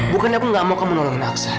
bukan aku gak mau kamu nolongin aksen